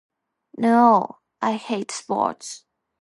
No, I hate sports!